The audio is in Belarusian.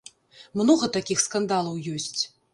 Многа такіх скандалаў ёсць.